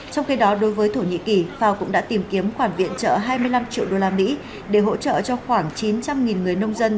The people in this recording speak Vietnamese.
trong khi đó đối với thổ nhĩ kỳ fao cũng đã tìm kiếm khoản viện trợ hai mươi năm triệu đô la mỹ để hỗ trợ cho khoảng chín trăm linh người nông dân